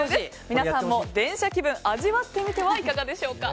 皆さんも電車気分を味わってみてはいかがでしょうか。